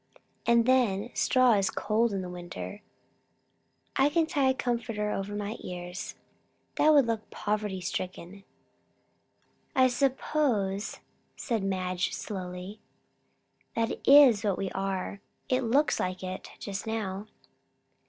"And then, straw is cold in winter." "I can tie a comforter over my ears." "That would look poverty stricken." "I suppose," said Madge slowly, "that is what we are. It looks like it, just now."